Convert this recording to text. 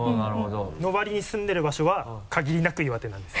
そのわりに住んでる場所は限りなく岩手なんです。